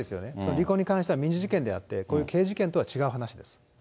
離婚に関しては、民事事件であって、こういう刑事事件とは違う話です。